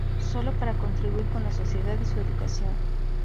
Solo para contribuir con la sociedad y su educación.